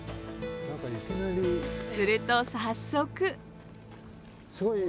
すると早速。